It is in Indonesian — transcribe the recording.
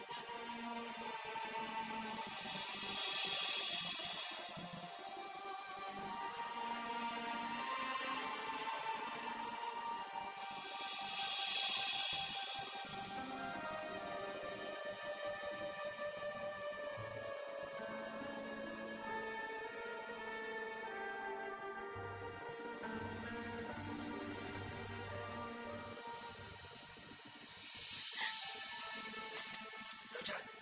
kau ke laluan